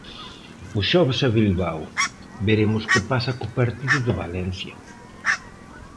O xoves a Bilbao, veremos que pasa co partido de Valencia.